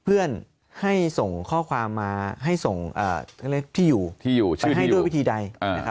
เพื่อนให้ส่งข้อความมาให้ส่งที่อยู่ที่ให้ด้วยวิธีใด